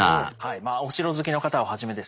お城好きの方をはじめですね